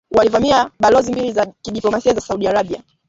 walivamia balozi mbili za kidiplomasia za Saudi Arabia